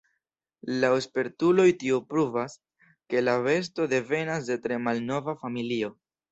Laŭ spertuloj tio pruvas, ke la besto devenas de tre malnova familio.